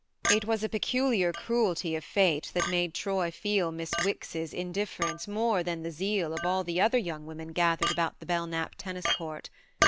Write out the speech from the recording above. It was a peculiar cruelty of fate that made Troy feel Miss Wicks's in difference more than the zeal of all the other young women gathered about the Belknap tennis court.